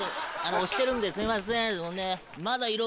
押してるんですいません。